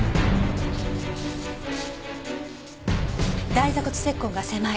大坐骨切痕が狭い。